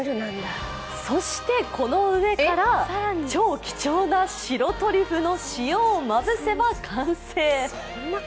そして、この上から超貴重な白トリュフの塩をまぶせば完成。